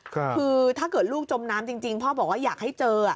คือถ้าเกิดลูกจมน้ำจริงพ่อบอกว่าอยากให้เจอ